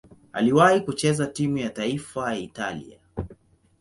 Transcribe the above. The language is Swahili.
Aliwahi kucheza timu ya taifa ya Italia.